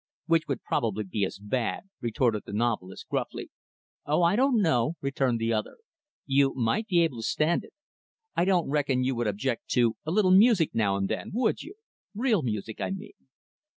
"Which would probably be as bad," retorted the novelist, gruffly. "Oh, I don't know!" returned the other. "You might be able to stand it. I don't reckon you would object to a little music now and then, would you? real music, I mean."